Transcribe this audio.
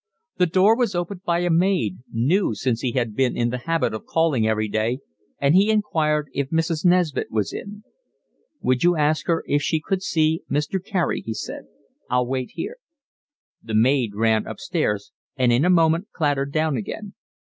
The door was opened by a maid new since he had been in the habit of calling every day, and he inquired if Mrs. Nesbit was in. "Will you ask her if she could see Mr. Carey?" he said. "I'll wait here." The maid ran upstairs and in a moment clattered down again.